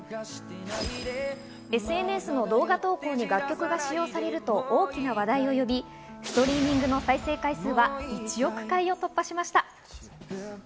ＳＮＳの動画投稿に楽曲が使用されると大きな話題を呼び、ストリーミングの再生回数は１億回を突破しました。